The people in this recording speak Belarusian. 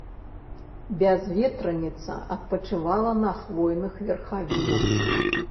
Бязветраніца адпачывала на хвойных верхавінах.